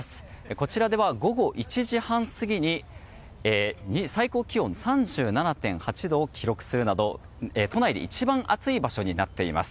こちらでは午後１時半過ぎに最高気温３７．８度を記録するなど都内で一番暑い場所になっています。